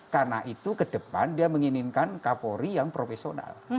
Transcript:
karena itu kedepan dia menginginkan kapolri yang profesional